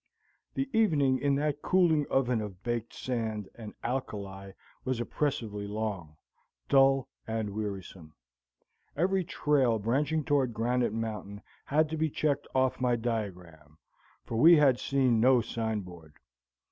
The evening in that cooling oven of baked sand and alkali was oppressively long, dull and wearisome. Every trail branching toward Granite Mountain had to be checked off my diagram, for we had seen no sign board.